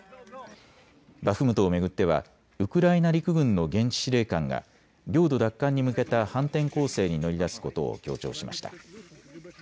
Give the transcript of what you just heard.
バフムトを巡ってはウクライナ陸軍の現地司令官が領土奪還に向けた反転攻勢に乗り出すことを強調しました。